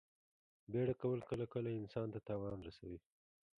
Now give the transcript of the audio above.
بیړه کول کله کله انسان ته تاوان رسوي.